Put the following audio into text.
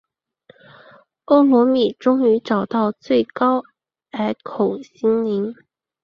欧罗米终于找到最高隘口精灵。